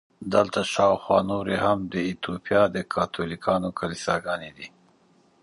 دلته شاوخوا نورې هم د ایټوپیا د کاتولیکانو کلیساګانې دي.